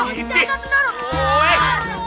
awas santun bener